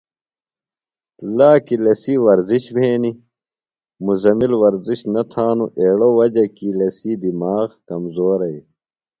لاکی لسی ورزِش بھینیۡ۔ مزمل ورزش نہ تھانوۡ، ایڑوۡ وجہ کی لسی دِماغ کمزورئی۔